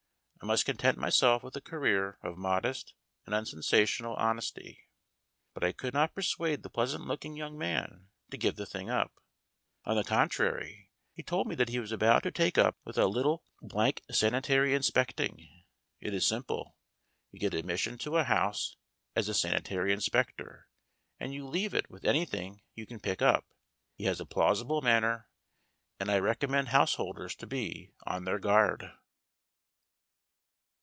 I must content myself with a career of modest and unsensational hon esty. But I could not persuade the pleasant looking young man to give the thing up. On the contrary, he told me that he was about to take up with a little blank 200 STORIES WITHOUT TEARS sanitary inspecting. It is simple. You get admission to a house as a sanitary inspector, and you leave it with anything you can pick up. He has a plausible manner, and I recommend householders to be on their guard.